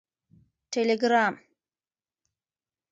ټیلیګرام